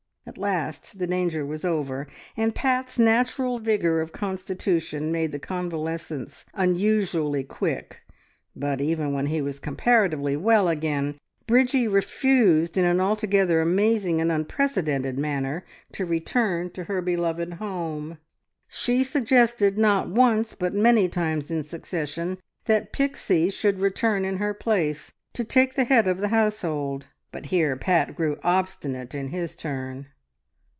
At last the danger was over, and Pat's natural vigour of constitution made the convalescence unusually quick, but even when he was comparatively well again, Bridgie refused in an altogether amazing and unprecedented manner to return to her beloved home. She suggested not once, but many times in succession, that Pixie should return in her place to take the head of the household, but here Pat grew obstinate in his turn.